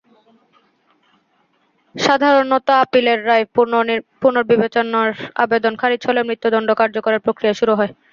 সাধারণত আপিলের রায় পুনর্বিবেচনার আবেদন খারিজ হলে মৃত্যুদণ্ড কার্যকরের প্রক্রিয়া শুরু হয়।